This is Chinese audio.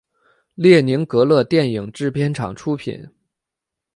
列宁格勒电影制片厂出品。